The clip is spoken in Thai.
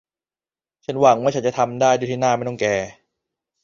ฉันหวังว่าฉันจะทำได้โดยที่หน้าไม่ต้องแก่